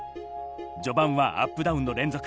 序盤はアップダウンの連続。